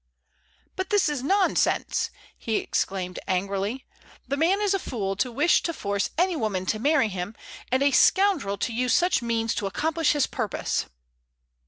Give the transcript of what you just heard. "But this is nonsense!" he exclaimed, angrily. "The man is a fool to wish to force any woman to marry him, and a scoundrel to use such means to accomplish his purpose."